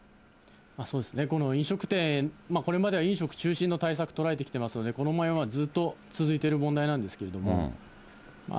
そうですね、この飲食店、これまでは飲食中心の対策が取られてきていますので、この問題はずっと続いてる問題なんですけれども。